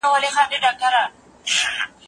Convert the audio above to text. د سنیانو وژنه د مجازو امر مطابق وه.